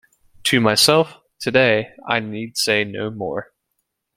To myself - today - I need say no more.